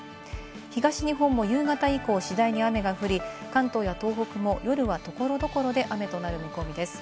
東日本も夕方以降、次第に雨が降り、関東や東北も夜は所々で雨となる見込みです。